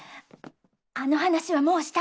あの話はもうした？